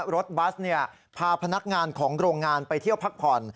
รถบัสพาพนักงานของโรงงานไปเที่ยวพักผ่อน